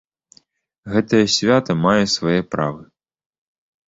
Гэтае свята мае свае правы.